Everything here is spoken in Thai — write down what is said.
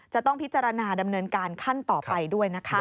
จะต้องพิจารณาดำเนินการขั้นต่อไปด้วยนะคะ